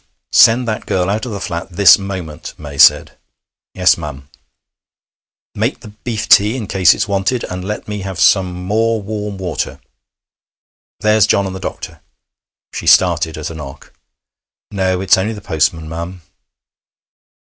'Send that girl out of the flat this moment!' May said. 'Yes, ma'am.' 'Make the beef tea in case it's wanted, and let me have some more warm water. There's John and the doctor!' She started at a knock. 'No, it's only the postman, ma'am.'